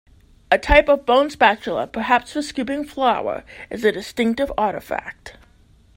A type of bone spatula, perhaps for scooping flour, is a distinctive artifact.